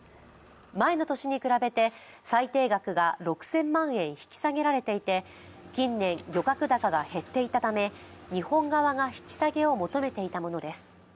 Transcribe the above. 前の年に比べて最低額が６０００万円引き下げられていて近年、漁獲高が減っていたため日本側が引き下げを求めていたものです。